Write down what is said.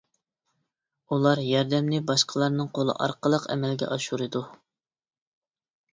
ئۇلار ياردەمنى باشقىلارنىڭ قولى ئارقىلىق ئەمەلگە ئاشۇرىدۇ.